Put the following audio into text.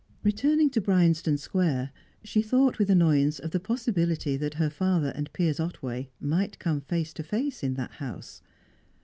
Returning to Bryanston Square, she thought with annoyance of the possibility that her father and Piers Otway might come face to face in that house.